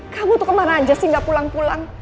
kamu tuh kemana aja sih gak pulang pulang